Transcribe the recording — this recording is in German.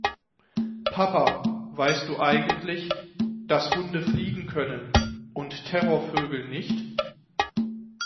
Papa, weißt du eigentlich, dass Hunde fliegen können, und Terrorvögel nicht?